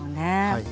はい。